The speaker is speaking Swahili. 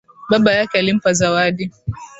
Baba yake alimpa zawadi.